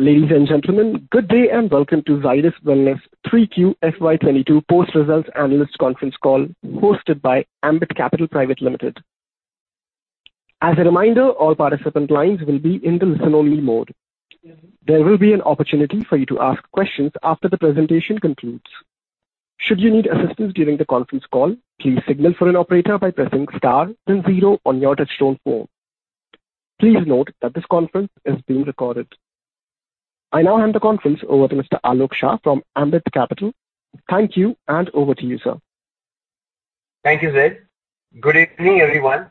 Ladies and gentlemen, good day and welcome to Zydus Wellness 3Q FY 2022 Post-Results Analyst Conference Call hosted by Ambit Capital Private Limited. As a reminder, all participant lines will be in the listen-only mode. There will be an opportunity for you to ask questions after the presentation concludes. Should you need assistance during the conference call, please signal for an operator by pressing star then zero on your touchtone phone. Please note that this conference is being recorded. I now hand the conference over to Mr. Alok Shah from Ambit Capital. Thank you, and over to you, sir. Thank you, Zed. Good evening, everyone.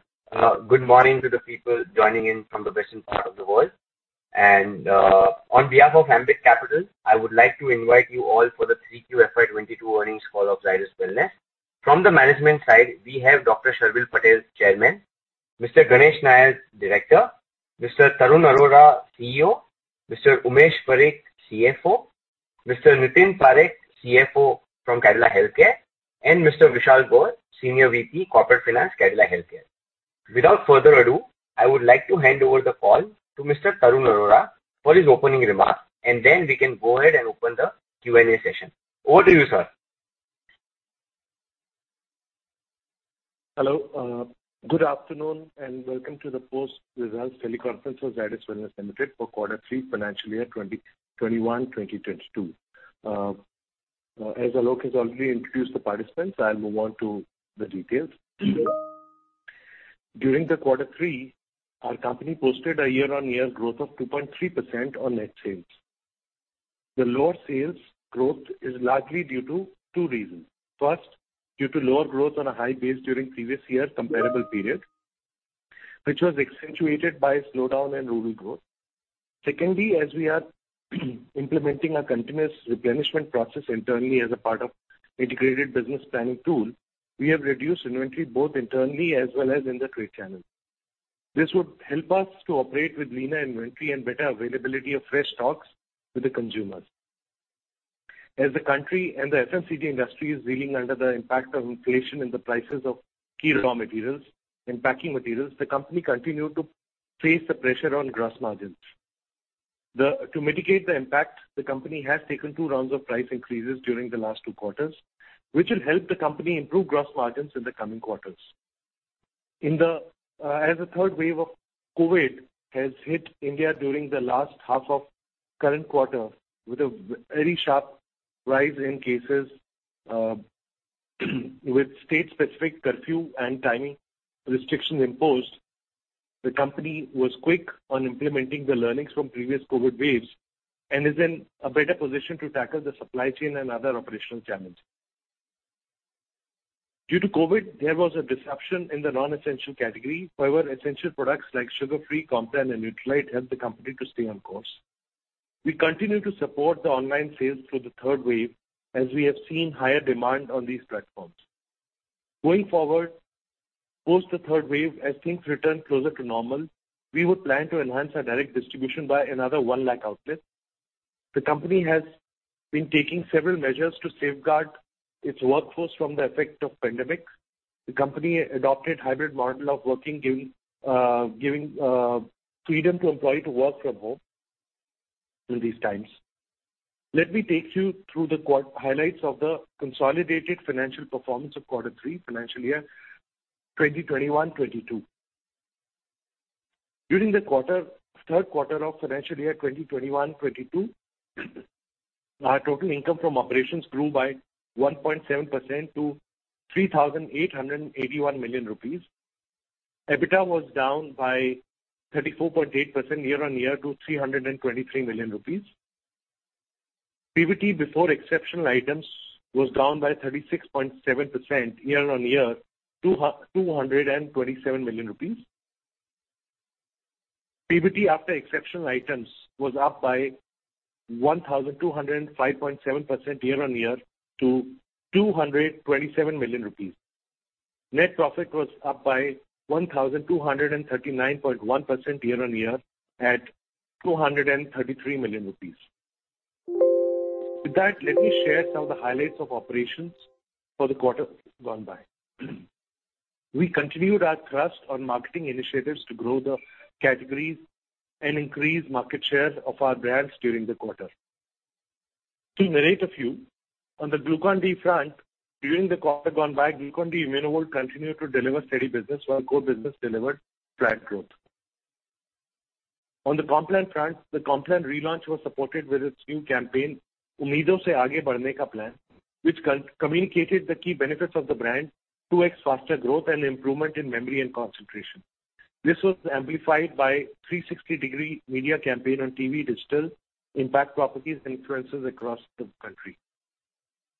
Good morning to the people joining in from the western part of the world. On behalf of Ambit Capital, I would like to invite you all for the 3Q FY 2022 Earnings Call of Zydus Wellness. From the management side, we have Dr. Sharvil Patel, Chairman, Mr. Ganesh Nayak, Director, Mr. Tarun Arora, CEO, Mr. Umesh Parikh, CFO, Mr. Nitin Parekh, CFO from Cadila Healthcare, and Mr. Vishal Gaur, Senior VP Corporate Finance, Cadila Healthcare. Without further ado, I would like to hand over the call to Mr. Tarun Arora for his opening remarks, and then we can go ahead and open the Q&A session. Over to you, sir. Hello. Good afternoon, and welcome to the post results teleconference for Zydus Wellness Limited for quarter three financial year 2021-2022. As Alok has already introduced the participants, I'll move on to the details. During the quarter three, our company posted a year-on-year growth of 2.3% on net sales. The lower sales growth is largely due to two reasons. First, due to lower growth on a high base during previous year comparable period, which was accentuated by slowdown in rural growth. Secondly, as we are implementing a continuous replenishment process internally as a part of integrated business planning tool, we have reduced inventory both internally as well as in the trade channel. This would help us to operate with leaner inventory and better availability of fresh stocks to the consumers. As the country and the FMCG industry is reeling under the impact of inflation in the prices of key raw materials and packing materials, the company continued to face the pressure on gross margins. To mitigate the impact, the company has taken two rounds of price increases during the last two quarters, which will help the company improve gross margins in the coming quarters. As the third wave of COVID has hit India during the last half of current quarter with a very sharp rise in cases, with state-specific curfew and timing restrictions imposed, the company was quick on implementing the learnings from previous COVID waves and is in a better position to tackle the supply chain and other operational challenges. Due to COVID, there was a disruption in the non-essential category. However, essential products like Sugar Free, Complan, and Nutralite helped the company to stay on course. We continue to support the online sales through the third wave, as we have seen higher demand on these platforms. Going forward, post the third wave, as things return closer to normal, we would plan to enhance our direct distribution by another 1 lakh outlets. The company has been taking several measures to safeguard its workforce from the effect of pandemic. The company adopted hybrid model of working giving freedom to employee to work from home through these times. Let me take you through the highlights of the consolidated financial performance of quarter three financial year 2021-2022. During the third quarter of financial year 2021-2022, our total income from operations grew by 1.7% to 3,881 million rupees. EBITDA was down by 34.8% year-on-year to 323 million rupees. PBT before exceptional items was down by 36.7% year-on-year to INR 227 million. PBT after exceptional items was up by 1,205.7% year-on-year to 227 million rupees. Net profit was up by 1,239.1% year-on-year at 233 million rupees. With that, let me share some of the highlights of operations for the quarter gone by. We continued our thrust on marketing initiatives to grow the categories and increase market shares of our brands during the quarter. To narrate a few, on the Glucon-D front, during the quarter gone by, Glucon-D ImmunoVolt continued to deliver steady business while core business delivered flat growth. On the Complan front, the Complan relaunch was supported with its new campaign, Umeedon Se Aage Badhne Ka Plan, which communicated the key benefits of the brand, 2X faster growth and improvement in memory and concentration. This was amplified by 360-degree media campaign on TV, digital, impact properties, and influencers across the country.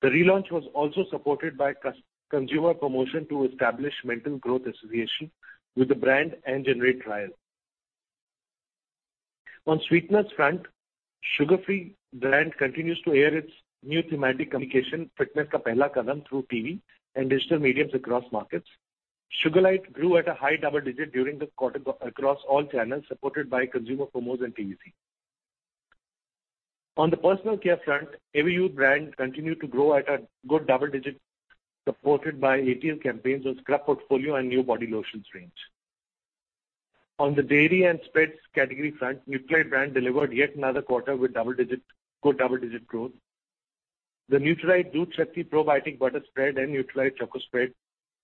The relaunch was also supported by consumer promotion to establish mental growth association with the brand and generate trial. On sweeteners front, Sugar Free brand continues to air its new thematic communication, Fitness Ka Pehla Kadam, through TV and digital mediums across markets. Sugar Lite grew at a high double digit during the quarter across all channels, supported by consumer promos and TVC. On the personal care front, Everyuth brand continued to grow at a good double-digit, supported by ATL campaigns on scrub portfolio and new body lotions range. On the dairy and spreads category front, Nutralite brand delivered yet another quarter with good double-digit growth. The Nutralite DoodhShakti Probiotic Butter Spread and Nutralite Choco Spread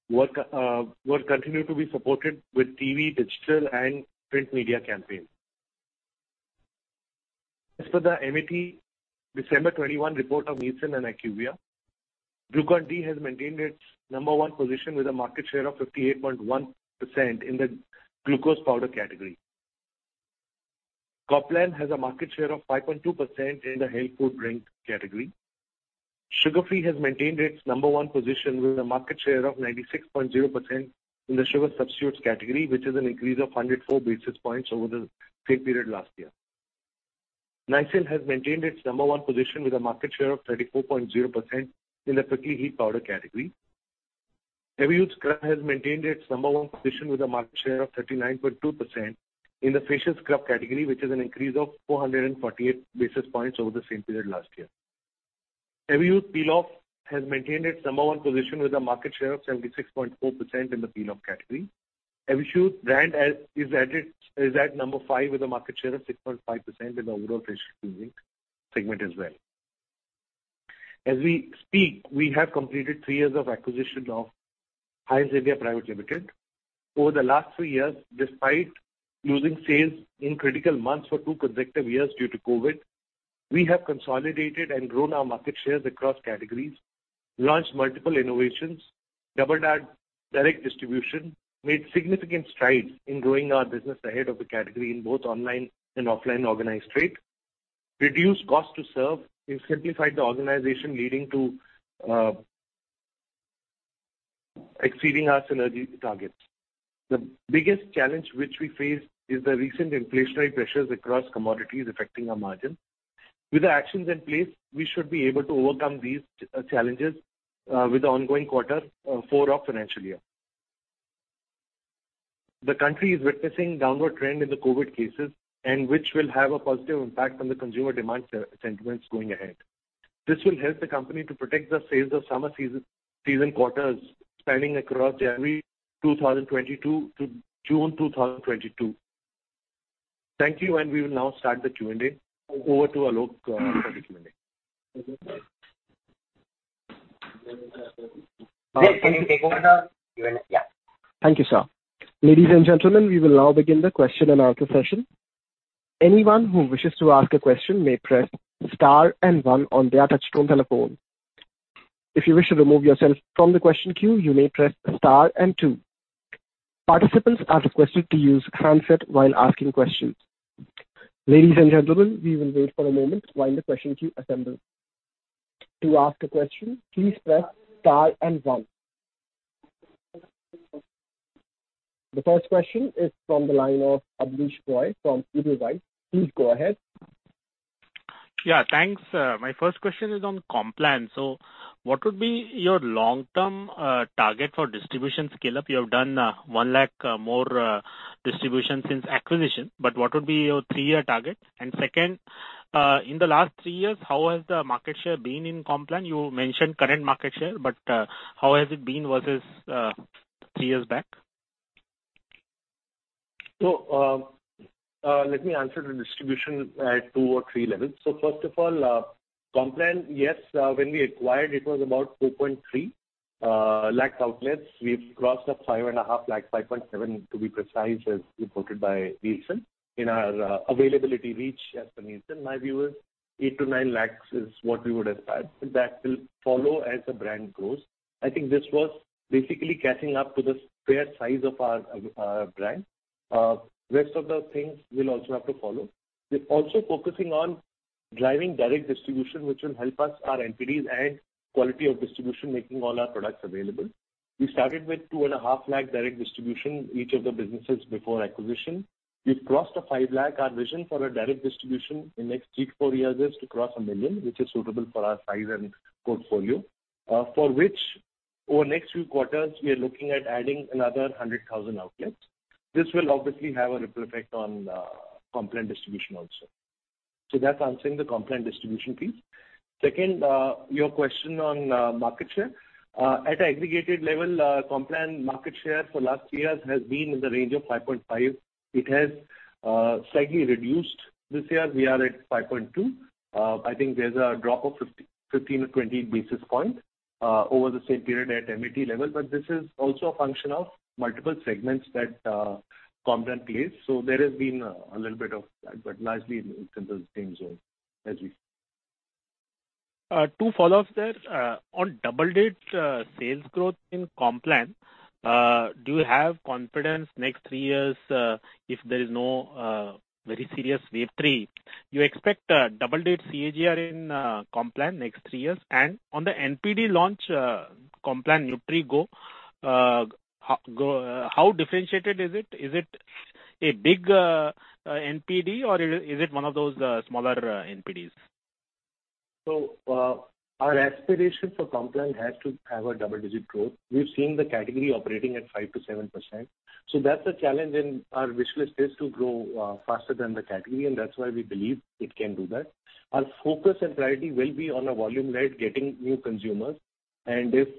were continued to be supported with TV, digital and print media campaign. As per the MAT December 2021 report of Nielsen and IQVIA, Glucon-D has maintained its number one position with a market share of 58.1% in the glucose powder category. Complan has a market share of 5.2% in the health food drink category. Sugar Free has maintained its number one position with a market share of 96.0% in the sugar substitutes category, which is an increase of 104 basis points over the same period last year. Nycil has maintained its number one position with a market share of 34.0% in the prickly heat powder category. Fair & Lovely has maintained its number one position with a market share of 39.2% in the facial scrub category, which is an increase of 448 basis points over the same period last year. Everyuth Peel Off has maintained its number one position with a market share of 76.4% in the peel off category. Everyuth brand is at number five with a market share of 6.5% in the overall face cleaning segment as well. As we speak, we have completed three years of acquisition of Heinz India Private Limited. Over the last three years, despite losing sales in critical months for two consecutive years due to COVID, we have consolidated and grown our market shares across categories, launched multiple innovations, doubled our direct distribution, made significant strides in growing our business ahead of the category in both online and offline organized trade, reduced cost to serve, and simplified the organization, leading to exceeding our synergy targets. The biggest challenge which we face is the recent inflationary pressures across commodities affecting our margin. With the actions in place, we should be able to overcome these challenges with the ongoing quarter four of financial year. The country is witnessing downward trend in the COVID cases and which will have a positive impact on the consumer demand sentiments going ahead. This will help the company to protect the sales of summer season quarters spanning across January 2022 to June 2022. Thank you. We will now start the Q&A. Over to Alok for the Q&A. Sir, can you take over the Q&A? Yeah. Thank you, sir. Ladies and gentlemen, we will now begin the question and answer session. Anyone who wishes to ask a question may press star and one on their touchtone telephone. If you wish to remove yourself from the question queue, you may press star and two. Participants are requested to use handset while asking questions. Ladies and gentlemen, we will wait for a moment while the question queue assembles. To ask a question, please press star and one. The first question is from the line of Abneesh Roy from Edelweiss. Please go ahead. Yeah, thanks. My first question is on Complan. What would be your long-term target for distribution scale-up? You have done 1 lakh more distribution since acquisition, but what would be your 3-year target? Second, in the last 3 years, how has the market share been in Complan? You mentioned current market share, but how has it been versus three years back? Let me answer the distribution at two or three levels. First of all, Complan, yes, when we acquired it was about 2.3 lakh outlets. We've crossed over 5.5 lakh, 5.7 to be precise, as reported by Nielsen. In our availability reach as per Nielsen, my view is 8 lakhs-9 lakhs is what we would have had. That will follow as the brand grows. I think this was basically catching up to the fair size of our brand. Rest of the things will also have to follow. We're also focusing on driving direct distribution, which will help us, our entry and quality of distribution, making all our products available. We started with 2.5 lakh direct distribution, each of the businesses before acquisition. We've crossed 5 lakh. Our vision for a direct distribution in next 3 year-4 years is to cross 1 million, which is suitable for our size and portfolio, for which over next few quarters we are looking at adding another 100,000 outlets. This will obviously have a ripple effect on Complan distribution also. That's answering the Complan distribution piece. Second, your question on market share. At an aggregated level, Complan market share for last three years has been in the range of 5.5%. It has slightly reduced. This year we are at 5.2%. I think there's a drop of 15-20 basis points over the same period at MAT level. This is also a function of multiple segments that Complan plays. There has been a little bit of that, but largely in the same zone as we. Two follow-ups there. On double-digit sales growth in Complan, do you have confidence next three years, if there is no very serious wave three, you expect a double-digit CAGR in Complan next three years? On the NPD launch, Complan NutriGro, how differentiated is it? Is it a big NPD or is it one of those smaller NPDs? Our aspiration for Complan has to have a double-digit growth. We've seen the category operating at 5%-7%. That's a challenge, and our wish list is to grow faster than the category, and that's why we believe it can do that. Our focus and priority will be on a volume-led, getting new consumers. And if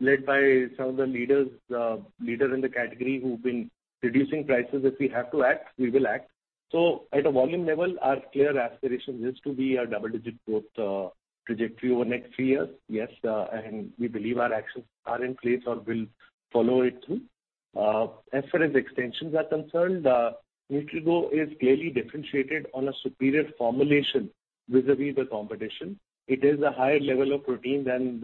led by some of the leaders in the category who've been reducing prices, if we have to act, we will act. At a volume level, our clear aspiration is to be a double-digit growth trajectory over next three years. And we believe our actions are in place or will follow it through. As far as extensions are concerned, NutriGro is clearly differentiated on a superior formulation vis-a-vis the competition. It is a higher level of protein than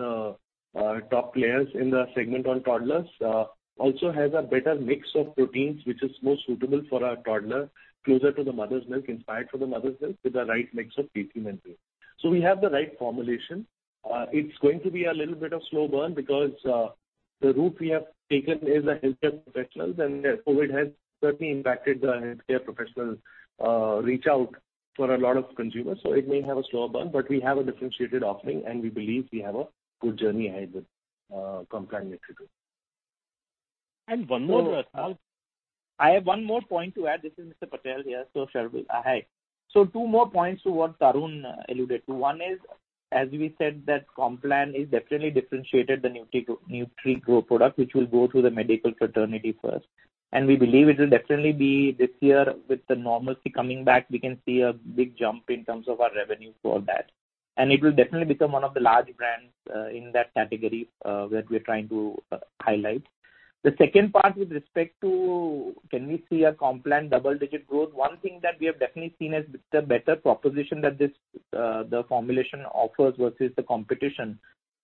the top players in the segment on toddlers. It also has a better mix of proteins, which is more suitable for a toddler, closer to the mother's milk, inspired from the mother's milk with the right mix of protein and milk. We have the right formulation. It's going to be a little bit of slow burn because the route we have taken is the healthcare professionals and therefore it has certainly impacted the healthcare professional reach out for a lot of consumers. It may have a slower burn, but we have a differentiated offering, and we believe we have a good journey ahead with Complan NutriGro. One more. So, uh- I have one more point to add. This is Mr. Patel here. Sharvil. Hi. Two more points to what Tarun alluded to. One is, as we said that Complan is definitely differentiated. The NutriGro product, which will go through the medical fraternity first. We believe it will definitely be this year with the normalcy coming back, we can see a big jump in terms of our revenue for that. It will definitely become one of the large brands in that category where we are trying to highlight. The second part with respect to, can we see a Complan double-digit growth? One thing that we have definitely seen is the better proposition that this, the formulation offers versus the competition.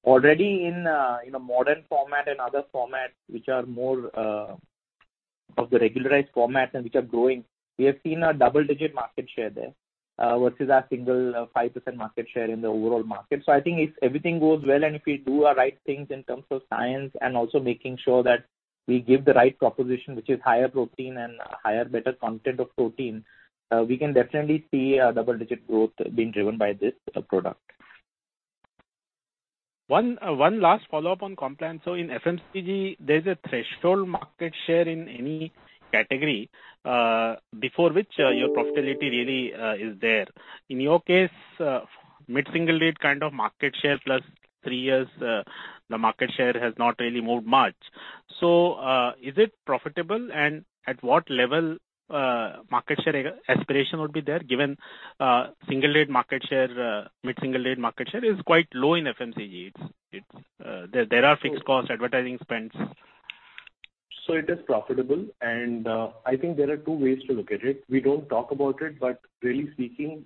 Already in a modern format and other formats, which are more of the regularized formats and which are growing, we have seen a double-digit market share there versus our 5% market share in the overall market. I think if everything goes well and if we do our right things in terms of science and also making sure that we give the right proposition, which is higher protein and higher better content of protein, we can definitely see a double-digit growth being driven by this product. One last follow-up on Complan. In FMCG, there's a threshold market share in any category before which your profitability really is there. In your case, mid-single-digit kind of market share, plus three years, the market share has not really moved much. Is it profitable and at what level market share aspiration would be there given single digit market share? Mid-single digit market share is quite low in FMCG. There are fixed costs, advertising spends. It is profitable, and I think there are two ways to look at it. We don't talk about it, but really speaking,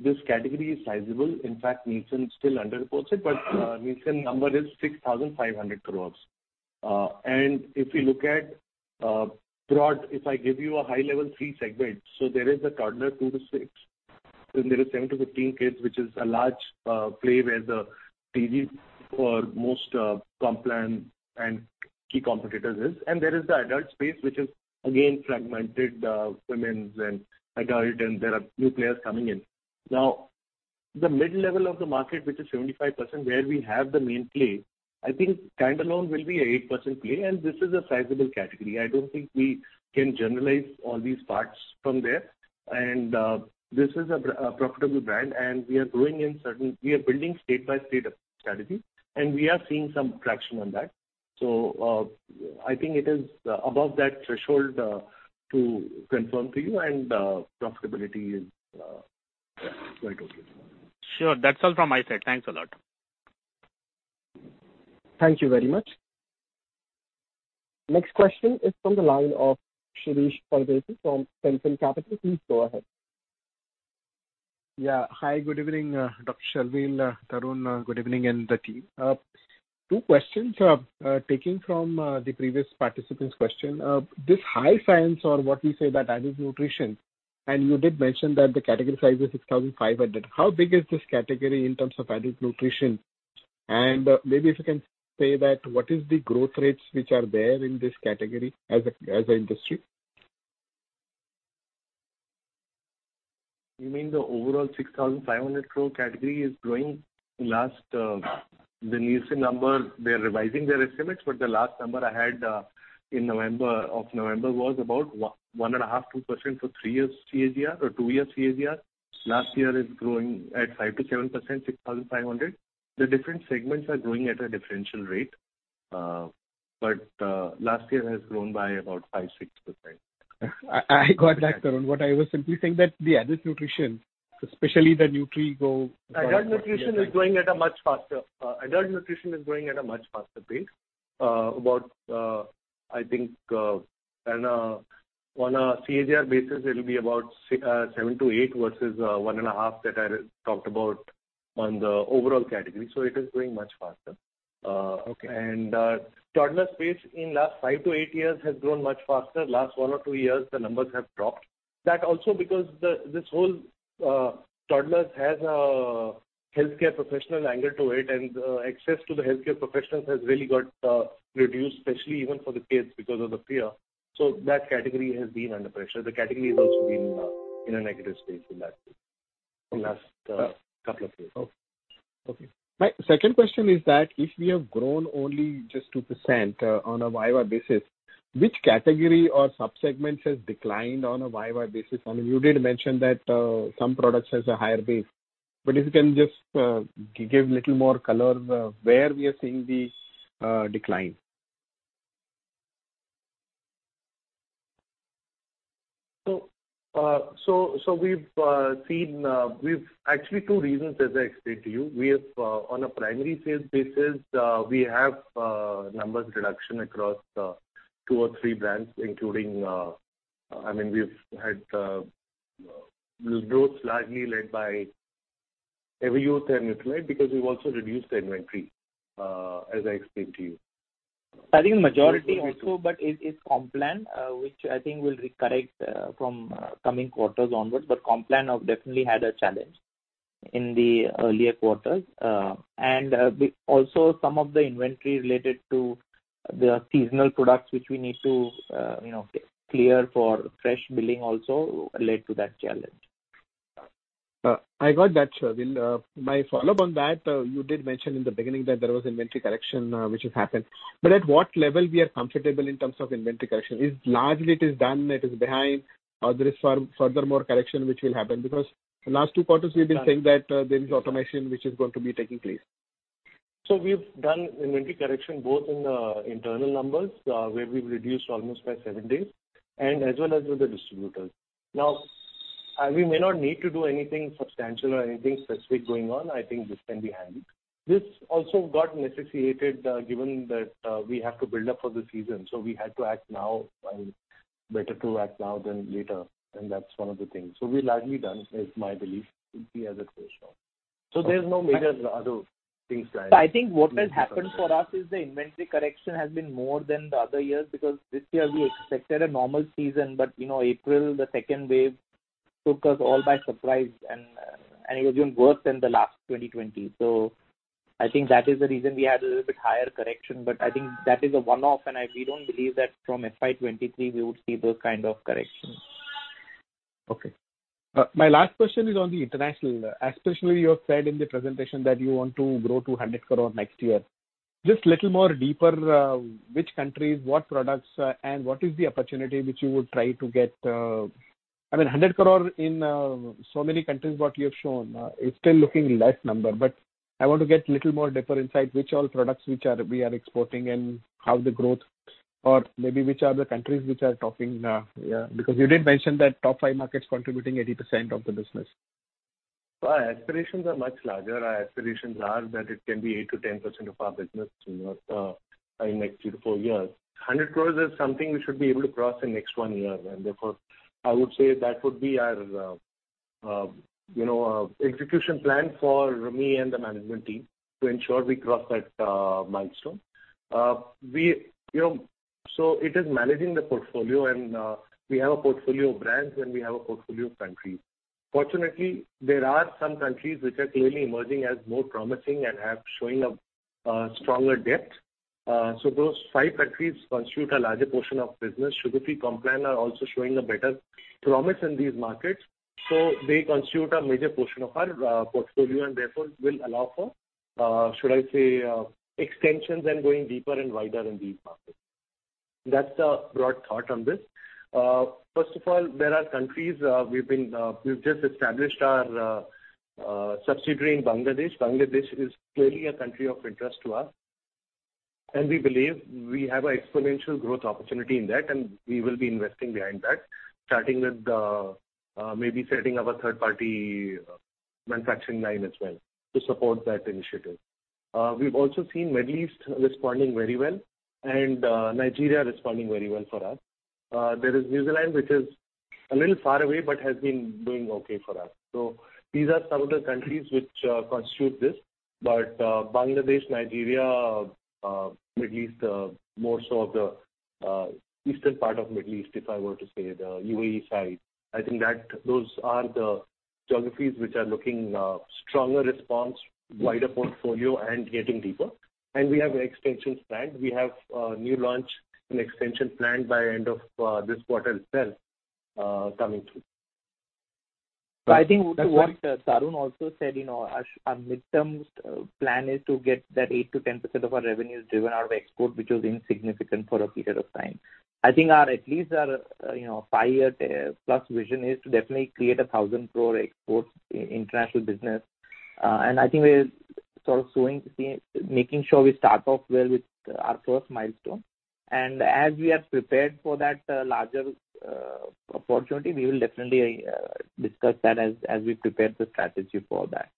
this category is sizable. In fact, Nielsen still underreports it, but Nielsen number is 6,500 crores. If you look at broadly, if I give you a high-level 3-segment, so there is a toddler 2-6, then there is 7-15 kids, which is a large play where the TV or most Complan and key competitors is. There is the adult space, which is again fragmented, women's and adult, and there are new players coming in. Now, the mid-level of the market, which is 75%, where we have the main play, I think Complan alone will be an 8% play, and this is a sizable category. I don't think we can generalize all these parts from there. This is a profitable brand. We are building state by state strategy, and we are seeing some traction on that. I think it is above that threshold to confirm to you, and profitability is yeah, quite okay. Sure. That's all from my side. Thanks a lot. Thank you very much. Next question is from the line of Shirish Pardeshi from Centrum Capital. Please go ahead. Hi, good evening, Dr. Sharvil, Tarun, good evening, and the team. Two questions, taking from the previous participant's question. This high science or what we say that adult nutrition, and you did mention that the category size is 6,500. How big is this category in terms of adult nutrition? And maybe if you can say that what is the growth rates which are there in this category as an industry? You mean the overall 6,500 crore category is growing last, the Nielsen number, they are revising their estimates, but the last number I had in November was about 1.5%-2% for three years CAGR or two years CAGR. Last year is growing at 5%-7%, 6,500. The different segments are growing at a differential rate. Last year has grown by about 5%-6%. I got that, Tarun. What I was simply saying that the adult nutrition, especially the NutriGro- Adult nutrition is growing at a much faster pace. On a CAGR basis, it'll be about 7%-8% versus 1.5% that I talked about on the overall category. It is growing much faster. Okay. Toddler space in last 5 year-8 years has grown much faster. Last one or two years, the numbers have dropped. That also because this whole toddlers has a healthcare professional angle to it, and access to the healthcare professionals has really got reduced, especially even for the kids because of the fear. That category has been under pressure. The category has also been in a negative space in last couple of years. Okay. My second question is that if we have grown only just 2%, on a YOY basis. Which category or subsegments has declined on a YOY basis? I mean, you did mention that some products has a higher base. If you can just give little more color where we are seeing this decline. We've actually two reasons, as I explained to you. We have, on a primary sales basis, numbers reduction across two or three brands, including. I mean, we've had growth largely led by Everyuth and Nutralite, because we've also reduced the inventory, as I explained to you. I think majority also, but it's Complan, which I think will recover from coming quarters onwards. Complan have definitely had a challenge in the earlier quarters. We had some of the inventory related to the seasonal products, which we need to, you know, clear for fresh billing, also led to that challenge. I got that, sure. My follow-up on that, you did mention in the beginning that there was inventory correction, which has happened. At what level we are comfortable in terms of inventory correction? Is it largely done, it is behind, or there is furthermore correction which will happen? Because the last two quarters we've been saying that there is automation which is going to be taking place. We've done inventory correction both in internal numbers where we've reduced almost by seven days, and as well as with the distributors. Now we may not need to do anything substantial or anything specific going on. I think this can be handled. This also got necessitated given that we have to build up for the season, so we had to act now, and better to act now than later, and that's one of the things. We're largely done is my belief as a closure. There's no major other things there. I think what has happened for us is the inventory correction has been more than the other years because this year we expected a normal season. You know, April, the second wave took us all by surprise and it was even worse than the last 2020. I think that is the reason we had a little bit higher correction. I think that is a one-off, and we don't believe that from FY 2023 we would see those kind of corrections. Okay. My last question is on the international. Especially, you have said in the presentation that you want to grow to 100 crore next year. Just little more deeper, which countries, what products, and what is the opportunity which you would try to get? I mean, 100 crore in so many countries what you have shown is still looking less number, but I want to get little more deeper insight, which all products we are exporting and how the growth or maybe which are the countries which are topping? Yeah, because you did mention that top five markets contributing 80% of the business. Our aspirations are much larger. Our aspirations are that it can be 8%-10% of our business, you know, in next 2 year-4 years. 100 crore is something we should be able to cross in next one year. Therefore, I would say that would be our, you know, execution plan for me and the management team to ensure we cross that, milestone. We, you know, it is managing the portfolio and we have a portfolio of brands and we have a portfolio of countries. Fortunately, there are some countries which are clearly emerging as more promising and have showing a stronger depth. Those five countries constitute a larger portion of business. Sugar Free, Complan are also showing a better promise in these markets, so they constitute a major portion of our portfolio and therefore will allow for, should I say, extensions and going deeper and wider in these markets. That's a broad thought on this. First of all, there are countries, we've just established our subsidiary in Bangladesh. Bangladesh is clearly a country of interest to us, and we believe we have a exponential growth opportunity in that, and we will be investing behind that, starting with maybe setting up a third-party manufacturing line as well to support that initiative. We've also seen Middle East responding very well and Nigeria responding very well for us. There is New Zealand, which is a little far away, but has been doing okay for us. These are some of the countries which constitute this. Bangladesh, Nigeria, Middle East, more so of the eastern part of Middle East, if I were to say the UAE side, I think that those are the geographies which are looking stronger response, wider portfolio and getting deeper. We have extensions planned. We have new launch and extension planned by end of this quarter itself, coming through. I think what Tarun also said, you know, our mid-term plan is to get that 8%-10% of our revenues driven out of export, which was insignificant for a period of time. I think at least our 5-year plus vision is to definitely create 1,000 crore exports in international business. I think we're making sure we start off well with our first milestone. As we are prepared for that larger opportunity, we will definitely discuss that as we prepare the strategy for that.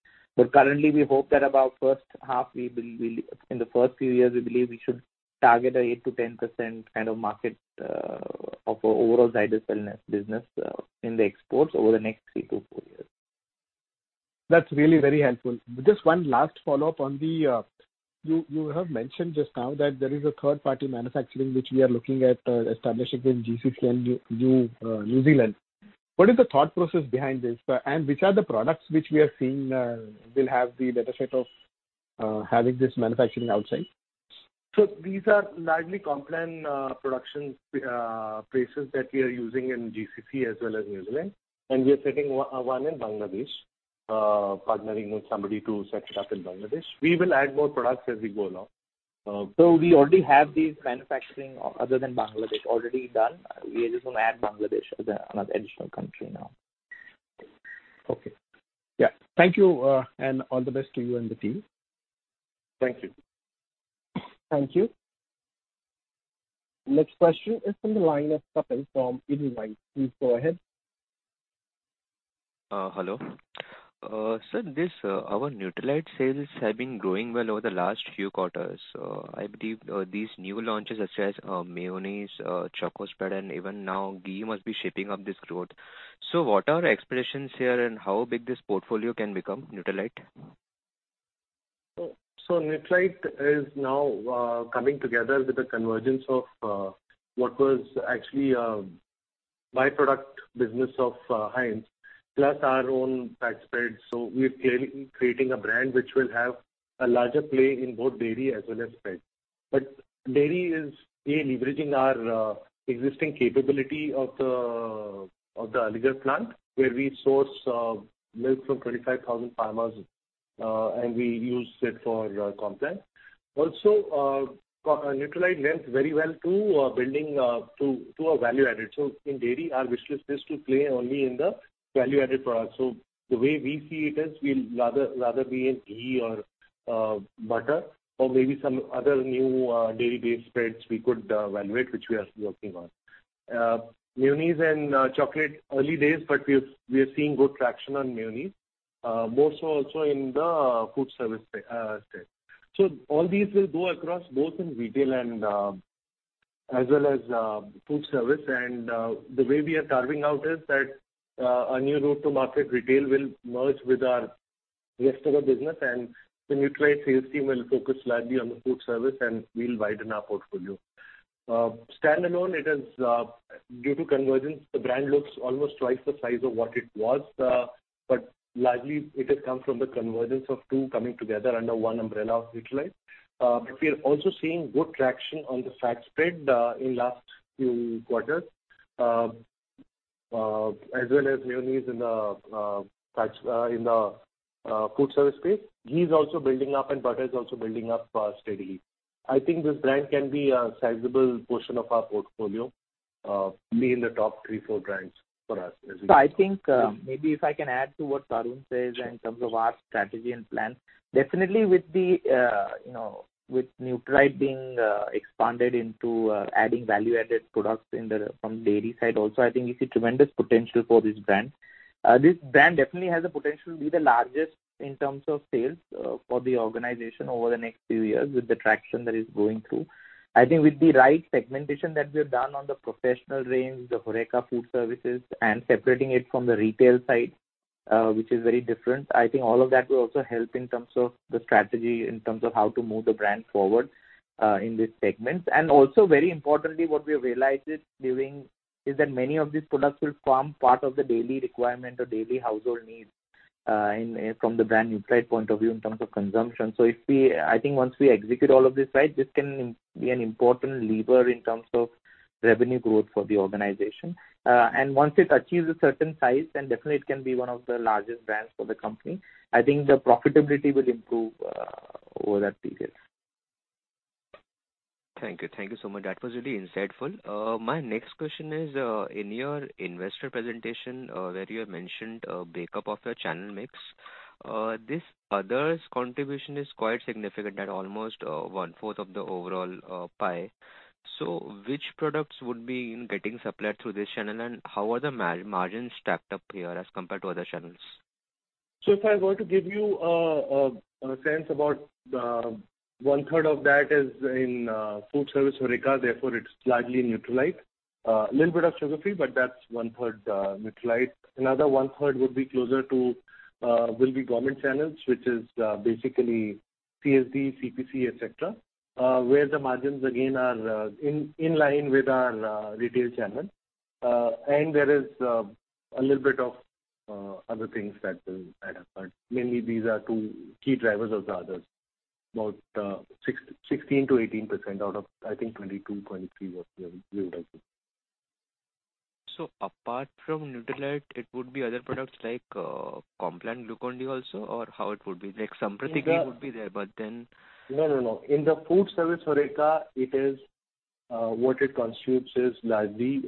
Currently, we hope that about first half we will. In the first few years, we believe we should target an 8%-10% kind of market of our overall Zydus Wellness business in the exports over the next 3 year-4 years. That's really very helpful. Just one last follow-up on the you have mentioned just now that there is a third-party manufacturing which we are looking at establishing in GCC and New Zealand. What is the thought process behind this? Which are the products which we are seeing will have the data set of having this manufacturing outside? These are largely Complan production places that we are using in GCC as well as New Zealand, and we are setting one in Bangladesh, partnering with somebody to set it up in Bangladesh. We will add more products as we go along. We already have these manufacturing other than Bangladesh already done. We are just gonna add Bangladesh as an additional country now. Okay. Yeah. Thank you, and all the best to you and the team. Thank you. Thank you. Next question is from the line of Kapil from Edelweiss. Please go ahead. Hello. Sir, this, our Nutralite sales have been growing well over the last few quarters. I believe, these new launches such as, mayonnaise, Choco Spread, and even now ghee must be shaping up this growth. What are our expectations here, and how big this portfolio can become, Nutralite? Nutralite is now coming together with the convergence of what was actually by-product business of Heinz, plus our own fat spreads. We're creating a brand which will have a larger play in both dairy as well as spreads. Dairy is leveraging our existing capability of the Aligarh plant, where we source milk from 25,000 farmers, and we use it for Complan. Nutralite lends very well to building a value add. In dairy, our wish list is to play only in the value-added products. The way we see it is we'd rather be in ghee or butter or maybe some other new dairy-based spreads we could evaluate, which we are working on. Mayonnaise and chocolate, early days, but we are seeing good traction on mayonnaise. More so also in the food service space. All these will go across both in retail and as well as food service. The way we are carving out is that a new route to market retail will merge with our rest of our business, and the Nutralite sales team will focus largely on the food service, and we'll widen our portfolio. Standalone, it is due to convergence, the brand looks almost twice the size of what it was. But largely it has come from the convergence of two coming together under one umbrella of Nutralite. But we're also seeing good traction on the fat spread in last few quarters. As well as mayonnaise in the fats in the food service space. Ghee is also building up and butter is also building up steadily. I think this brand can be a sizable portion of our portfolio, be in the top three, four brands for us as we go. I think, maybe if I can add to what Tarun says in terms of our strategy and plan. Definitely with the, you know, with Nutralite being expanded into adding value-added products from dairy side also, I think you see tremendous potential for this brand. This brand definitely has the potential to be the largest in terms of sales, for the organization over the next few years with the traction that it's going through. I think with the right segmentation that we have done on the professional range, the HoReCa food services, and separating it from the retail side, which is very different, I think all of that will also help in terms of the strategy, in terms of how to move the brand forward, in these segments. Very importantly, what we have realized is that many of these products will form part of the daily requirement or daily household needs, from the brand Nutralite point of view in terms of consumption. I think once we execute all of this right, this can be an important lever in terms of revenue growth for the organization. Once it achieves a certain size, then definitely it can be one of the largest brands for the company. I think the profitability will improve over that period. Thank you. Thank you so much. That was really insightful. My next question is, in your investor presentation, where you have mentioned a break-up of your channel mix, this others contribution is quite significant at almost one-fourth of the overall pie. Which products would be getting supplied through this channel, and how are the margins stacked up here as compared to other channels? If I were to give you a sense about one-third of that is in food service HoReCa, therefore it's largely Nutralite. Little bit of Sugar Free, but that's one-third Nutralite. Another one-third would be government channels, which is basically CSD, CPC, et cetera, where the margins again are in line with our retail channel. There is a little bit of other things that will add up. Mainly these are two key drivers of the others, about 16%-18% out of, I think, 22.3% of the revenue. Apart from Nutralite, it would be other products like Complan Glucon-D also, or how it would be. Like Sampriti Ghee would be there, but then. No. In the food service HoReCa, it is what it constitutes is largely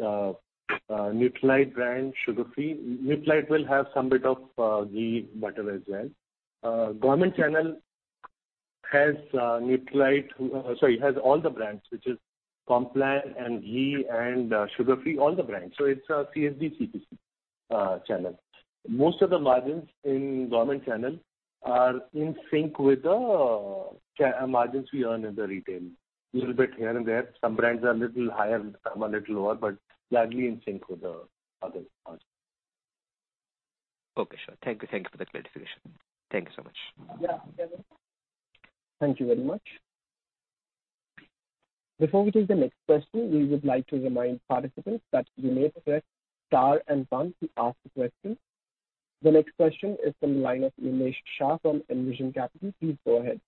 Nutralite brand Sugar Free. Nutralite will have some bit of ghee, butter as well. Government channel has Nutralite. Sorry, it has all the brands, which is Complan and ghee and Sugar Free, all the brands. So it's a CSD, CPC channel. Most of the margins in government channel are in sync with the margins we earn in the retail. Little bit here and there. Some brands are little higher and some are little lower, but largely in sync with the other margins. Okay, sure. Thank you. Thank you for the clarification. Thank you so much. Yeah. Thank you very much. Before we take the next question, we would like to remind participants that you may press star and one to ask a question. The next question is from the line of Nilesh Shah from Envision Capital. Please go ahead.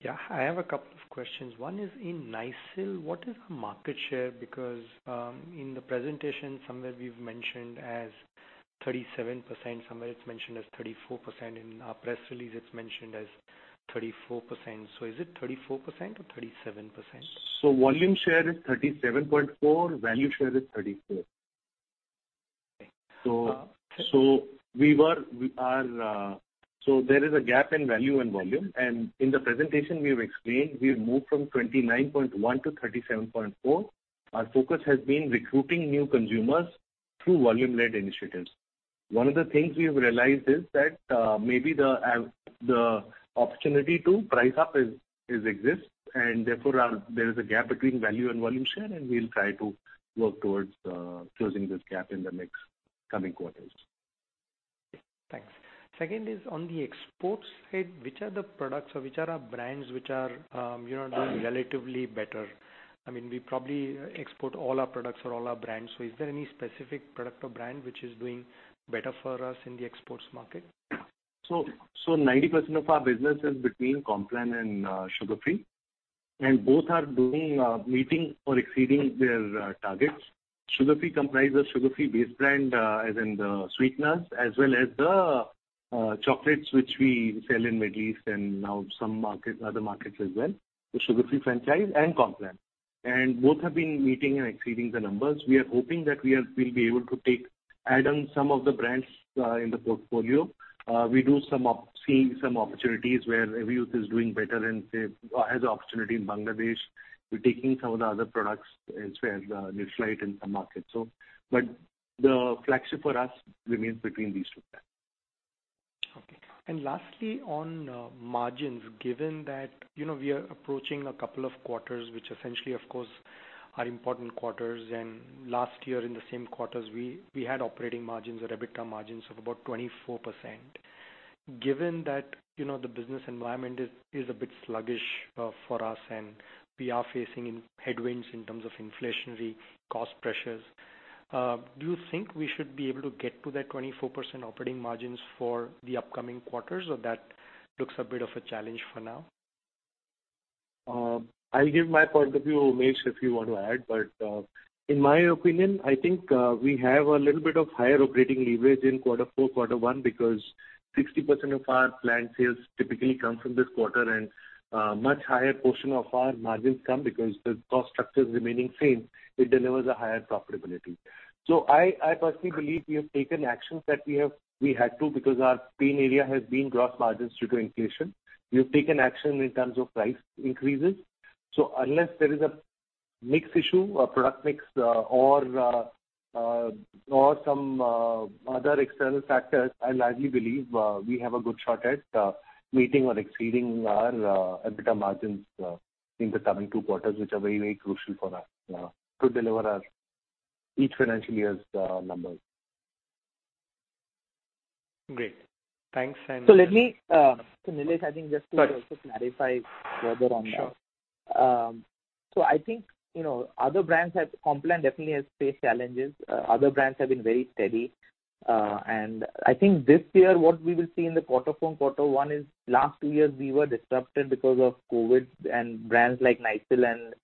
Yeah, I have a couple of questions. One is in Nycil, what is the market share? Because in the presentation somewhere we've mentioned as 37%, somewhere it's mentioned as 34%, in our press release it's mentioned as 34%. Is it 34% or 37%? Volume share is 37.4%, value share is 34%. Okay. There is a gap in value and volume, and in the presentation we have explained, we've moved from 29.1% to 37.4%. Our focus has been recruiting new consumers through volume-led initiatives. One of the things we have realized is that maybe the opportunity to price up exists, and therefore there is a gap between value and volume share, and we'll try to work towards closing this gap in the next coming quarters. Thanks. Second is on the export side, which are the products or our brands which are doing relatively better? We probably export all our products or all our brands, so is there any specific product or brand which is doing better for us in the exports market? Ninety percent of our business is between Complan and Sugar Free, and both are meeting or exceeding their targets. Sugar Free comprise of Sugar Free base brand, as in the sweeteners, as well as the chocolates which we sell in Middle East and now some other markets as well. The Sugar Free franchise and Complan both have been meeting and exceeding the numbers. We are hoping that we'll be able to add on some of the brands in the portfolio. We see some opportunities where Revive is doing better and has the opportunity in Bangladesh. We're taking some of the other products as well, they fly in the market. The flagship for us remains between these two brands. Okay. Lastly, on margins, given that we are approaching a couple of quarters which essentially, of course, are important quarters, and last year in the same quarters we had operating margins or EBITDA margins of about 24%. Given that the business environment is a bit sluggish for us, and we are facing headwinds in terms of inflationary cost pressures, do you think we should be able to get to that 24% operating margins for the upcoming quarters, or that looks a bit of a challenge for now? I'll give my point of view, Umesh, if you want to add. In my opinion, I think we have a little bit of higher operating leverage in quarter four, quarter one, because 60% of our planned sales typically come from this quarter and much higher portion of our margins come because the cost structure is remaining same, it delivers a higher profitability. I personally believe we have taken actions that we had to because our pain area has been gross margins due to inflation. We have taken action in terms of price increases. Unless there is a mix issue or product mix, or some other external factors, I largely believe we have a good shot at meeting or exceeding our EBITDA margins in the coming two quarters, which are very, very crucial for us to deliver our each financial year's numbers. Great. Thanks. Let me, Nilesh, I think just to- Sorry. Also clarify further on that. Sure. I think, you know, other brands have Complan definitely has faced challenges. Other brands have been very steady. I think this year what we will see in the quarter four and quarter one is last two years we were disrupted because of COVID and brands like Nycil and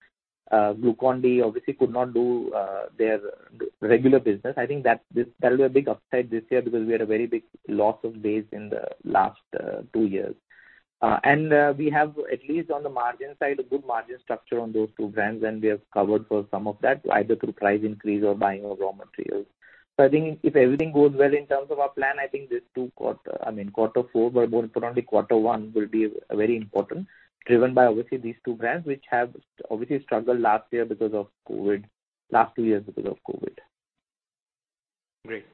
Glucon-D obviously could not do their regular business. I think that will be a big upside this year because we had a very big loss of base in the last two years. We have at least on the margin side, a good margin structure on those two brands, and we have covered for some of that, either through price increase or buying of raw materials. I think if everything goes well in terms of our plan, I think these two quarter, I mean quarter four, but more importantly quarter one will be very important, driven by obviously these two brands which have obviously struggled last two years because of COVID. Great.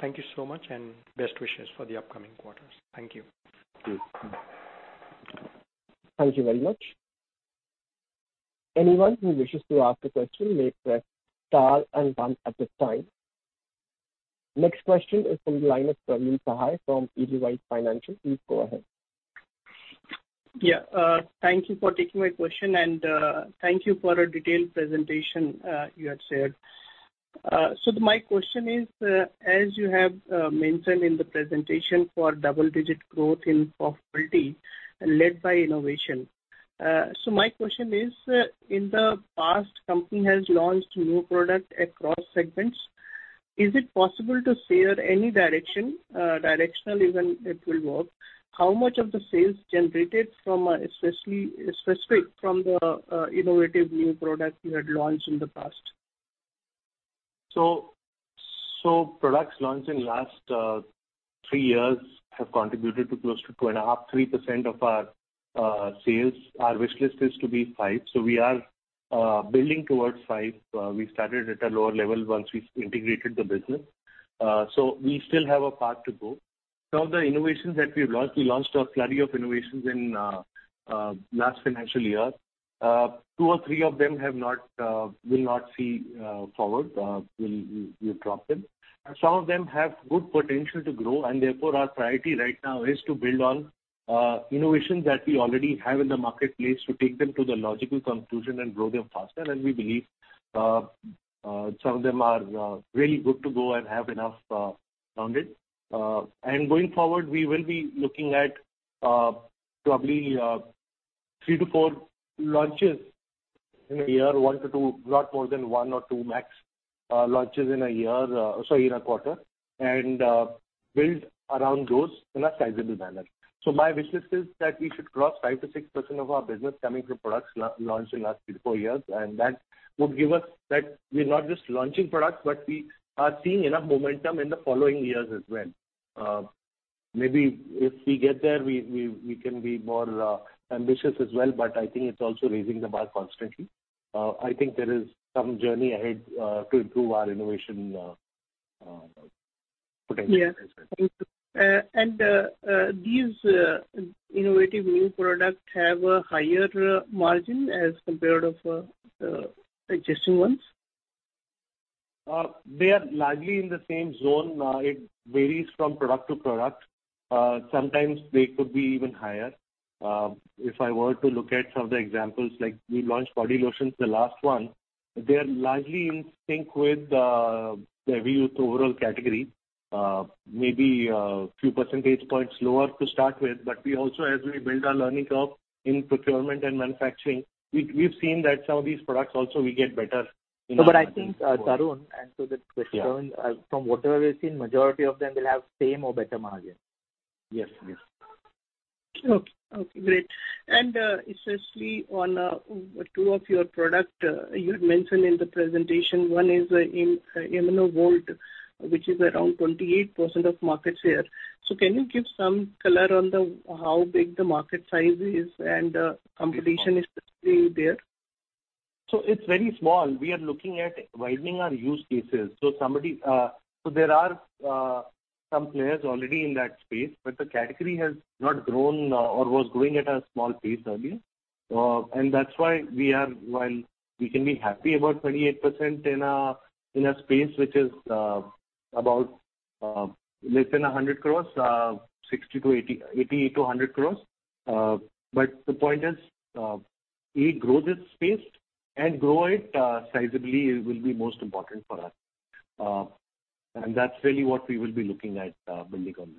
Thank you so much and best wishes for the upcoming quarters. Thank you. Thank you. Thank you very much. Anyone who wishes to ask a question may press star and one at this time. Next question is from the line of Praveen Sahay from Edelweiss Financial. Please go ahead. Yeah. Thank you for taking my question and thank you for a detailed presentation you have shared. My question is, as you have mentioned in the presentation for double-digit growth in profitability led by innovation. My question is, in the past, the company has launched new product across segments. Is it possible to share any directionally when it will work? How much of the sales generated from the innovative new product you had launched in the past? Products launched in last three years have contributed to close to 2.5%-3% of our sales. Our wish list is to be five. We are building towards five. We started at a lower level once we integrated the business. We still have a path to go. Some of the innovations that we've launched, we launched a flurry of innovations in last financial year. two or three of them will not see forward. We dropped them. Some of them have good potential to grow and therefore our priority right now is to build on innovations that we already have in the marketplace to take them to the logical conclusion and grow them faster. We believe some of them are really good to go and have enough footing. Going forward, we will be looking at probably 3-4 launches in a year, 1-2 max launches in a quarter. Build around those in a sizable manner. My wish list is that we should cross 5%-6% of our business coming from products launched in last 3-4 years, and that would give us that we're not just launching products, but we are seeing enough momentum in the following years as well. Maybe if we get there, we can be more ambitious as well. I think it's also raising the bar constantly. I think there is some journey ahead to improve our innovation potential as such. Yeah. Thank you. These innovative new products have a higher margin as compared to the existing ones? They are largely in the same zone. It varies from product to product. Sometimes they could be even higher. If I were to look at some of the examples, like we launched body lotions, the last one. They are largely in sync with, the view through overall category. Maybe, few percentage points lower to start with, but we also as we build our learning curve in procurement and manufacturing, we've seen that some of these products also will get better in our hands as well. No, I think, Tarun, and to the question. Yeah. From what we have seen, majority of them will have same or better margin. Yes. Yes. Okay. Great. Especially on two of your product, you had mentioned in the presentation, one is in ImmunoVolt, which is around 28% of market share. Can you give some color on how big the market size is and competition is especially there? It's very small. We are looking at widening our use cases. There are some players already in that space, but the category has not grown or was growing at a small pace earlier. While we can be happy about 28% in a space which is about less than 100 crores, 60 crores-80 crores, 80 crores-100 crores. The point is, we grow this space sizably, it will be most important for us. That's really what we will be looking at building on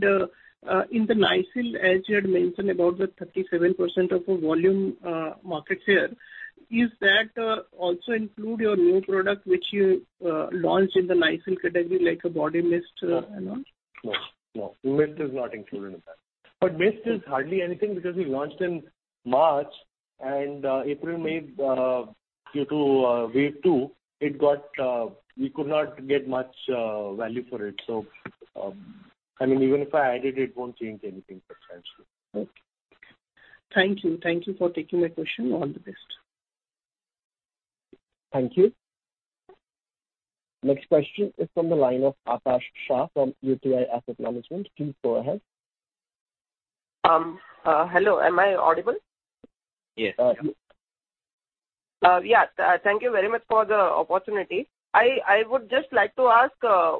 this. In the Nycil, as you had mentioned about the 37% of the volume market share, is that also include your new product which you launched in the Nycil category like a body mist, and all? No. Mist is not included in that. Mist is hardly anything because we launched in March and April, May, due to wave two. We could not get much value for it. I mean, even if I added it won't change anything substantially. Okay. Thank you. Thank you for taking my question. All the best. Thank you. Next question is from the line of Akash Shah from UTI Asset Management. Please go ahead. Hello, am I audible? Yes. Yeah. Thank you very much for the opportunity. I would just like to ask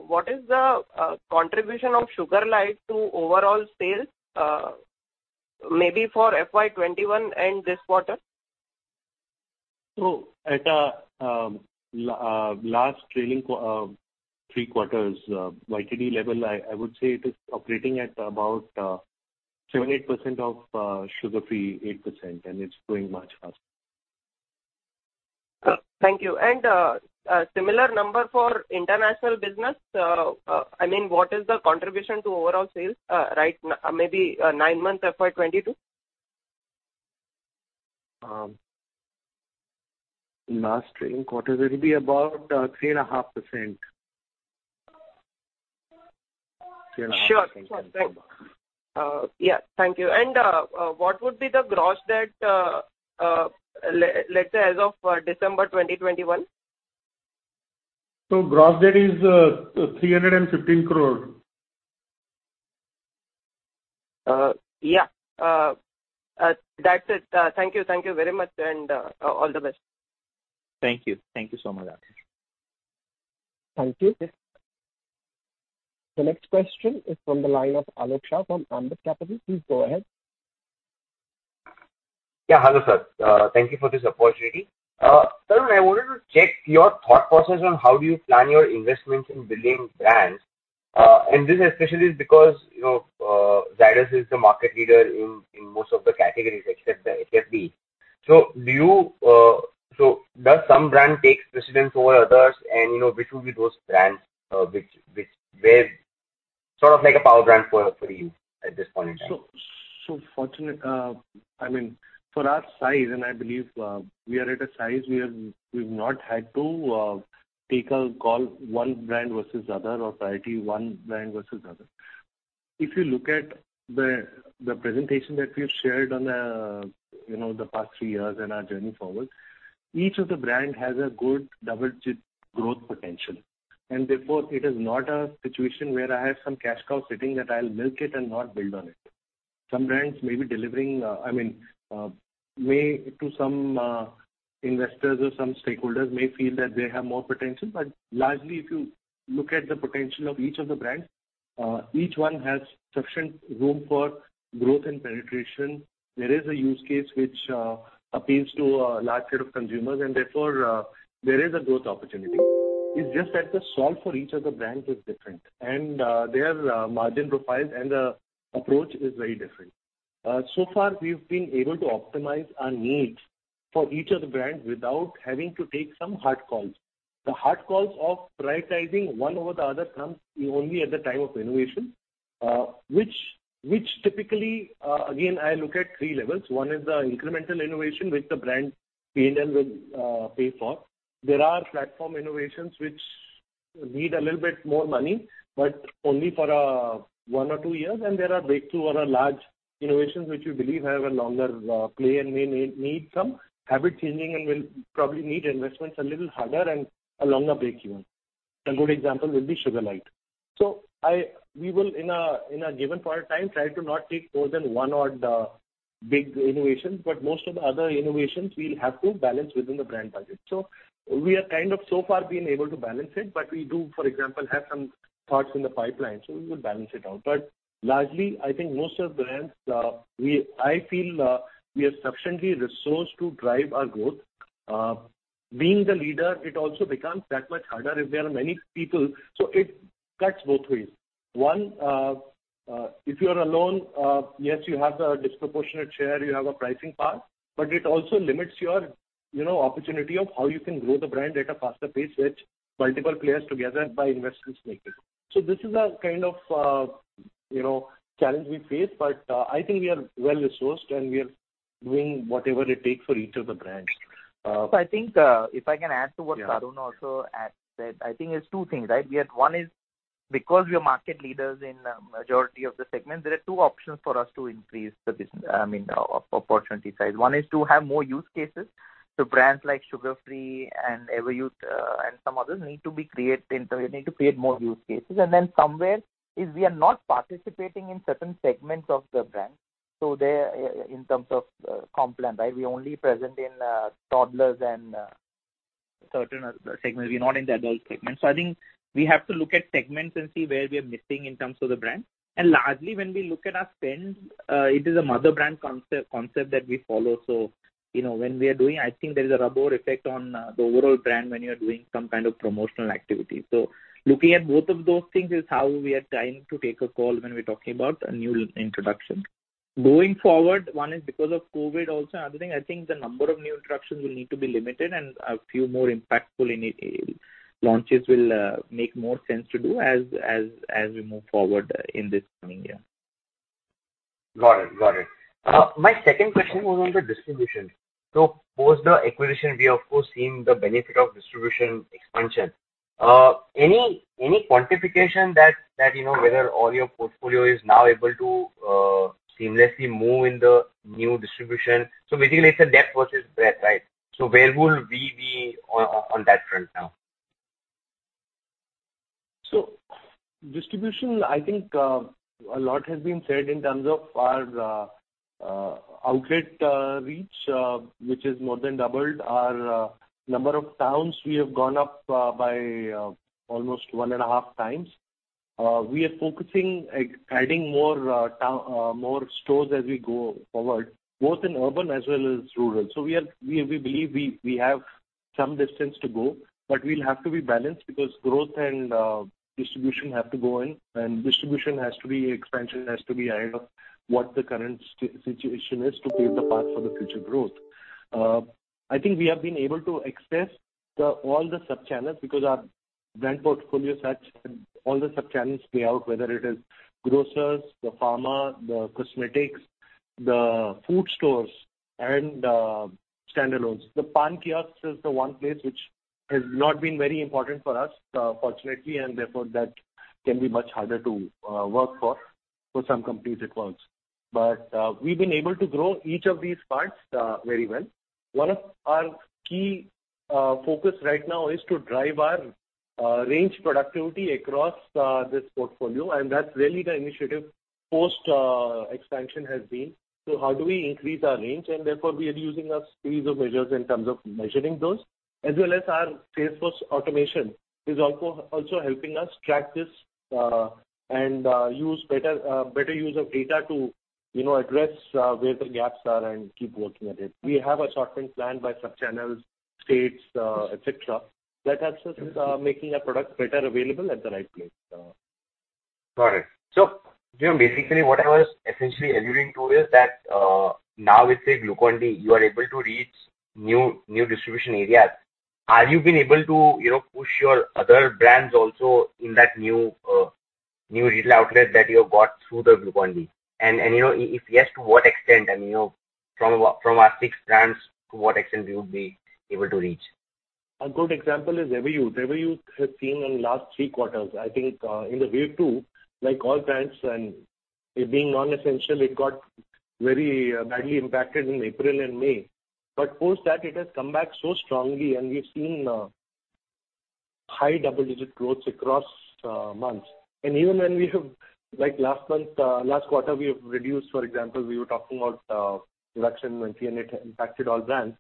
what is the contribution of Sugar Lite to overall sales, maybe for FY 2021 and this quarter? At last trailing three quarters YTD level, I would say it is operating at about 7%-8% of Sugar Free, 8%, and it's growing much faster. Thank you. A similar number for international business. I mean, what is the contribution to overall sales, maybe nine months FY 2022? Last trailing quarters, it'll be about 3.5%. Sure. Thank you. What would be the gross debt, let's say as of December 2021? Gross debt is 315 crore. Yeah. That's it. Thank you. Thank you very much and all the best. Thank you. Thank you so much, Akash. Thank you. The next question is from the line of Alok Shah from Ambit Capital. Please go ahead. Yeah, hello, sir. Thank you for this opportunity. Tarun, I wanted to check your thought process on how do you plan your investments in building brands? This especially is because, you know, Zydus is the market leader in most of the categories except the FFB. Does some brand takes precedence over others? You know, which will be those brands, which are sort of like a power brand for you at this point in time? We are so fortunate, I mean, for our size, and I believe, we are of a size, we've not had to take a call on one brand versus the other or prioritize one brand versus the other. If you look at the presentation that we've shared over the past three years and our journey forward, each of the brand has a good double-digit growth potential. Therefore, it is not a situation where I have some cash cow sitting that I'll milk it and not build on it. Some brands may be delivering, I mean, may to some investors or some stakeholders may feel that they have more potential. Largely, if you look at the potential of each of the brands, each one has sufficient room for growth and penetration. There is a use case which appeals to a large set of consumers, and therefore, there is a growth opportunity. It's just that the solve for each of the brands is different, and their margin profiles and approach is very different. So far, we've been able to optimize our needs for each of the brands without having to take some hard calls. The hard calls of prioritizing one over the other comes only at the time of innovation, which typically, again, I look at three levels. One is the incremental innovation, which the brand P&L will pay for. There are platform innovations which need a little bit more money, but only for one or two years. There are breakthrough or are large innovations which we believe have a longer play and may need some habit changing and will probably need investments a little harder and a longer breakeven. A good example would be Sugar Lite. We will in a, in a given point of time try to not take more than one odd big innovation, but most of the other innovations we'll have to balance within the brand budget. We are kind of so far been able to balance it, but we do, for example, have some thoughts in the pipeline, we will balance it out. But largely, I think most of the brands I feel we are sufficiently resourced to drive our growth. Being the leader, it also becomes that much harder if there are many people. It cuts both ways. One, if you are alone, yes, you have the disproportionate share, you have a pricing power, but it also limits your, you know, opportunity of how you can grow the brand at a faster pace, which multiple players together by investments make it. This is a kind of, you know, challenge we face, but I think we are well-resourced, and we are doing whatever it takes for each of the brands. I think, if I can add to what Tarun also said, I think it's two things, right? Because we are market leaders in majority of the segments, there are two options for us to increase the business, I mean, opportunity side. One is to have more use cases. Brands like Sugar Free and Everyuth, and some others need to be. We need to create more use cases. And then secondly is we are not participating in certain segments of the brand. There in terms of, Complan, right? We're only present in, toddlers and, certain other segments. We're not in the adult segment. I think we have to look at segments and see where we are missing in terms of the brand. Largely, when we look at our spend, it is a mother brand concept that we follow. You know, when we are doing, I think there is a rub-off effect on the overall brand when you are doing some kind of promotional activity. Looking at both of those things is how we are trying to take a call when we're talking about a new introduction. Going forward, one is because of COVID also. Another thing, I think the number of new introductions will need to be limited and a few more impactful launches will make more sense to do as we move forward in this coming year. Got it. My second question was on the distribution. Post the acquisition, we have, of course, seen the benefit of distribution expansion. Any quantification that you know whether all your portfolio is now able to seamlessly move in the new distribution? Basically it's a depth versus breadth, right? Where will we be on that front now? Distribution, I think, a lot has been said in terms of our outlet reach, which has more than doubled. Our number of towns, we have gone up by almost one and a half times. We are focusing adding more stores as we go forward, both in urban as well as rural. We believe we have some distance to go, but we'll have to be balanced because growth and distribution have to go in, and distribution has to be. Expansion has to be ahead of what the current situation is to pave the path for the future growth. I think we have been able to access all the sub-channels because our brand portfolio is such that all the sub-channels play out, whether it is grocers, the pharma, the cosmetics, the food stores and standalones. The pan kiosks is the one place which has not been very important for us, fortunately, and therefore that can be much harder to work for some companies it works. We've been able to grow each of these parts very well. One of our key focus right now is to drive our range productivity across this portfolio, and that's really the initiative post expansion has been. How do we increase our range? Therefore, we are using a series of measures in terms of measuring those. As well as our Salesforce automation is also helping us track this, and use better use of data to, you know, address where the gaps are and keep working at it. We have a short-term plan by sub-channels, states, et cetera, that helps us making our product better available at the right place. Got it. You know, basically what I was essentially alluding to is that now with, say, Glucon-D, you are able to reach new distribution areas. Have you been able to, you know, push your other brands also in that new retail outlet that you have got through the Glucon-D? You know, from our six brands, to what extent we would be able to reach? A good example is Everyuth. Everyuth has seen in last three quarters, I think, in the wave two, like all brands and it being non-essential, it got very badly impacted in April and May. Post that, it has come back so strongly, and we've seen high double-digit growth across months. Even when we have, like last month, last quarter, we have reduced, for example, we were talking about, reduction when PNI impacted all brands.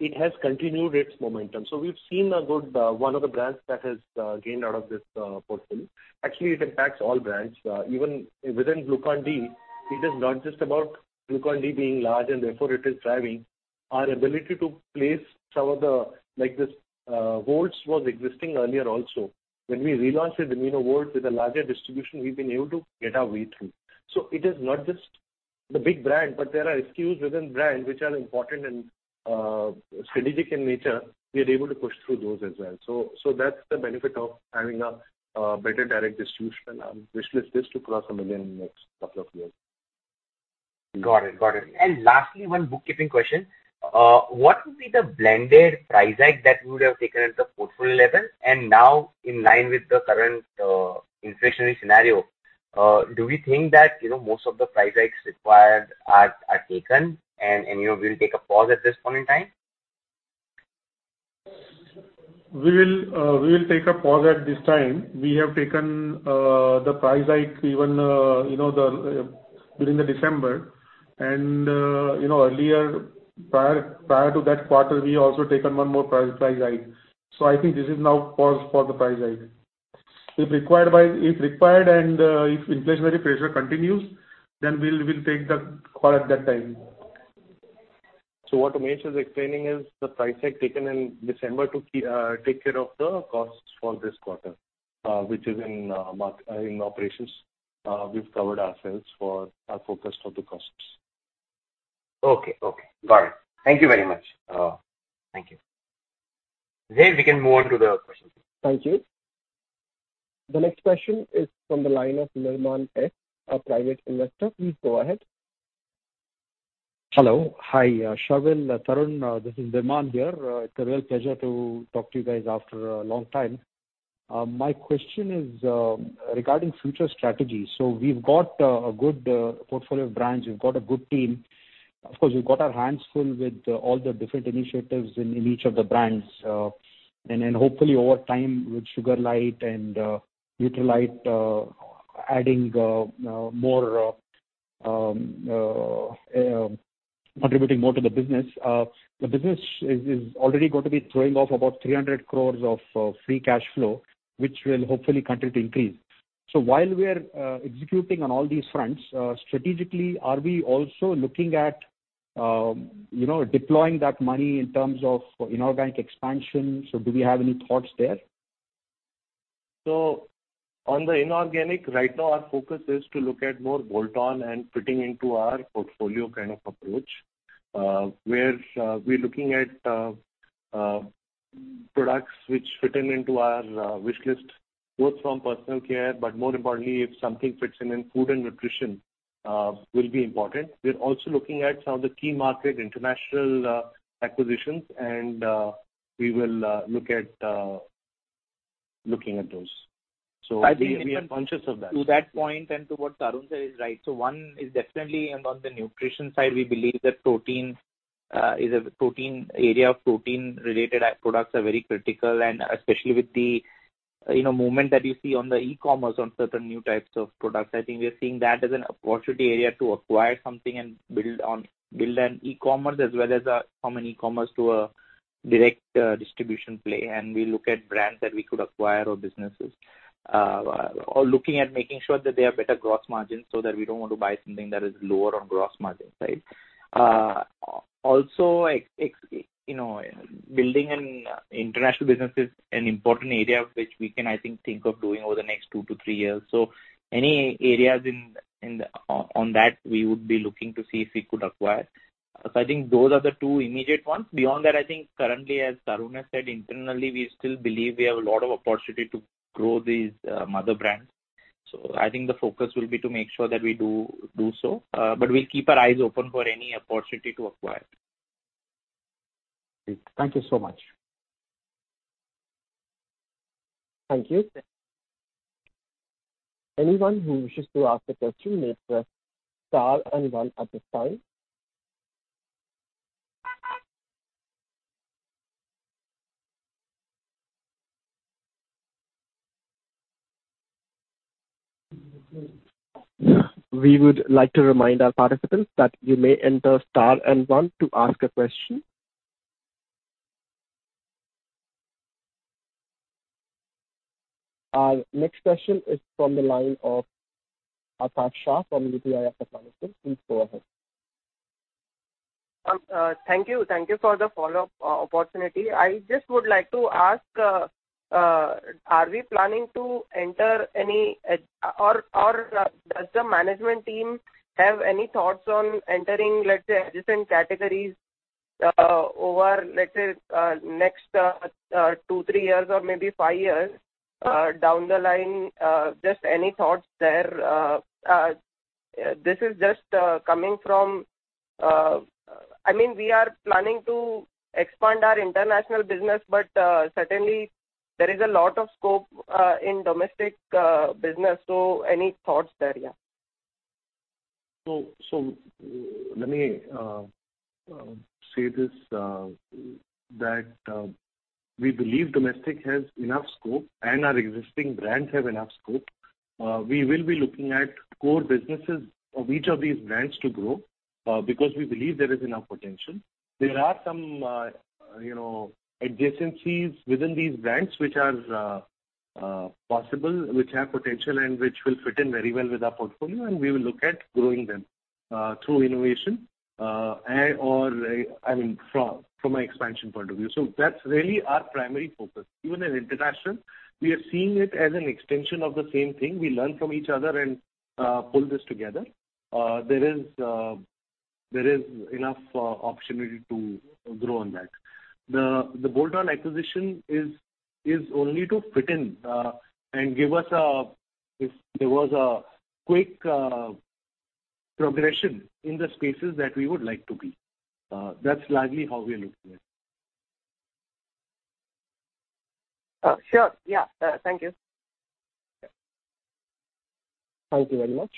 It has continued its momentum. We've seen a good, one of the brands that has, gained out of this, portfolio. Actually, it impacts all brands. Even within Glucon-D, it is not just about Glucon-D being large and therefore it is driving. Our ability to place some of the like this, Volts was existing earlier also. When we relaunched it, you know, ImmunoVolt with a larger distribution, we've been able to get our way through. It is not just the big brand, but there are SKUs within brand which are important and strategic in nature. We are able to push through those as well. That's the benefit of having a better direct distribution, which lets this cross 1 million in the next couple of years. Got it. Lastly, one bookkeeping question. What would be the blended price hike that you would have taken at the portfolio level? Now in line with the current inflationary scenario, do we think that, you know, most of the price hikes required are taken and you will take a pause at this point in time? We will take a pause at this time. We have taken the price hike even you know during the December and you know earlier prior to that quarter, we also taken one more price hike. I think this is now pause for the price hike. If required and if inflationary pressure continues, then we'll take the call at that time. What Umesh is explaining is the price hike taken in December to take care of the costs for this quarter, which is in operations. We've covered ourselves for our forecast of the costs. Okay. Got it. Thank you very much. Thank you. We can move on to the questions. Thank you. The next question is from the line of Nirmal S., a private investor. Please go ahead. Hello. Hi, Sharvil, Tarun. This is Nirmal here. It's a real pleasure to talk to you guys after a long time. My question is regarding future strategy. We've got a good portfolio of brands. We've got a good team. Of course, we've got our hands full with all the different initiatives in each of the brands. And then hopefully over time with Sugar Lite and Nutralite adding more contributing more to the business. The business is already going to be throwing off about 300 crore of free cash flow, which will hopefully continue to increase. While we are executing on all these fronts, strategically, are we also looking at you know deploying that money in terms of inorganic expansion? Do we have any thoughts there? On the inorganic, right now our focus is to look at more bolt-on and fitting into our portfolio kind of approach, where we're looking at products which fit into our wish list, both from personal care, but more importantly, if something fits in food and nutrition will be important. We're also looking at some of the key markets international acquisitions, and we will look at those. We are conscious of that. To that point and to what Tarun said is right. One is definitely and on the nutrition side, we believe that protein is a protein area of protein related products are very critical and especially with the, you know, movement that you see on the e-commerce on certain new types of products. I think we are seeing that as an opportunity area to acquire something and build on, build an e-commerce as well as, from an e-commerce to a direct, distribution play. We look at brands that we could acquire or businesses, or looking at making sure that they have better gross margins so that we don't want to buy something that is lower on gross margin side. Also, you know, building an international business is an important area which we can, I think, of doing over the next 2 years-3 years. Any areas in international that we would be looking to see if we could acquire. I think those are the two immediate ones. Beyond that, I think currently, as Tarun has said, internally, we still believe we have a lot of opportunity to grow these mother brands. I think the focus will be to make sure that we do so. We'll keep our eyes open for any opportunity to acquire. Thank you so much. Thank you. Anyone who wishes to ask a question may press star and one at this time. We would like to remind our participants that you may enter star and one to ask a question. Our next question is from the line of Akash Shah from UTI Asset Management. Please go ahead. Thank you for the follow-up opportunity. I just would like to ask, are we planning to enter any or does the management team have any thoughts on entering, let's say, adjacent categories over next 2 years-3 years or maybe five years down the line? Just any thoughts there? This is just coming from I mean, we are planning to expand our international business, but certainly there is a lot of scope in domestic business. Any thoughts there, yeah. Let me say this, that we believe domestic has enough scope and our existing brands have enough scope. We will be looking at core businesses of each of these brands to grow, because we believe there is enough potential. There are some, you know, adjacencies within these brands which are possible, which have potential and which will fit in very well with our portfolio, and we will look at growing them through innovation, and or, I mean, from an expansion point of view. That's really our primary focus. Even in international, we are seeing it as an extension of the same thing. We learn from each other and pull this together. There is enough opportunity to grow on that. The bolt-on acquisition is only to fit in and give us if there was a quick progression in the spaces that we would like to be. That's largely how we are looking at it. Sure. Yeah. Thank you. Thank you very much.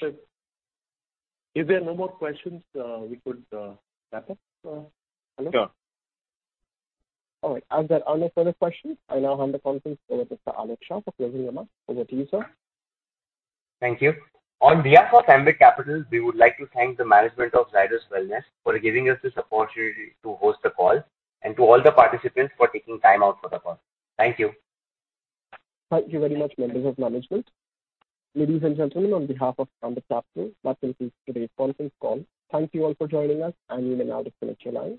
If there are no more questions, we could wrap up. Hello? Sure. All right. As there are no further questions, I now hand the conference over to Alok Shah for closing remarks. Over to you, sir. Thank you. On behalf of Ambit Capital, we would like to thank the management of Zydus Wellness for giving us this opportunity to host the call and to all the participants for taking time out for the call. Thank you. Thank you very much, members of management. Ladies and gentlemen, on behalf of Ambit Capital, that concludes today's conference call. Thank you all for joining us, and you may now disconnect your lines.